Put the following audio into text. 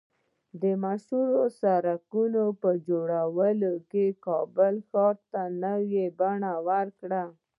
د مشهورو سړکونو په جوړولو یې کابل ښار ته نوې بڼه ورکړه